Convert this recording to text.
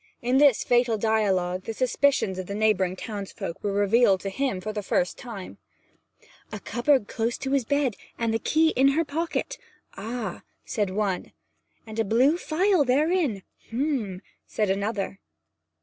In this fatal dialogue the suspicions of the neighbouring townsfolk were revealed to him for the first time. 'A cupboard close to his bed, and the key in her pocket. Ah!' said one. 'And a blue phial therein h'm!' said another.